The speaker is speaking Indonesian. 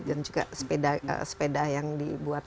dan juga sepeda yang dibuat